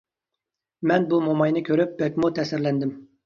مەن بۇ موماينى كۆرۈپ بەكمۇ تەسىرلەندىم.